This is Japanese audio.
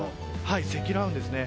積乱雲ですね。